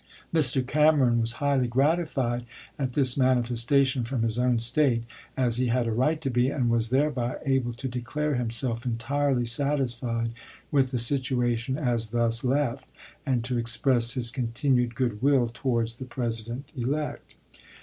Mr. Cameron was highly gratified at this manifestation from his own State, as he had a right to be, and was thereby able to declare himself entirely satisfied with the situation to Lincoln, J . Jan. 27, 1861. as thus left, and to express his continued good will MS towards the President elect.